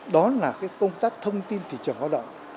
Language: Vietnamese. đó là công tác thông tin thị trường lao động